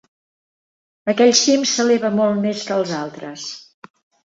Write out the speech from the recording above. Aquell cim s'eleva molt més que els altres.